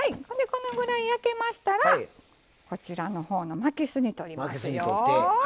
このぐらい焼けましたらこちらの方の巻きすに取りますよ。